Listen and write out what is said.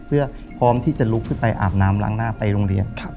เพื่อพร้อมที่จะลุกขึ้นไปอาบน้ำล้างหน้าไปโรงเรียน